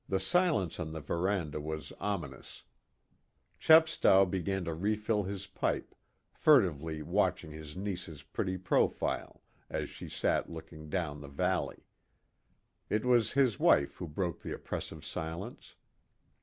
The silence on the veranda was ominous. Chepstow began to refill his pipe, furtively watching his niece's pretty profile as she sat looking down the valley. It was his wife who broke the oppressive silence.